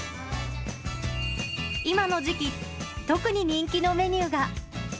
今の時期、特に人気のメニューが。